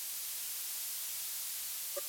তিনি একটি কবিতাও রচনা করেন।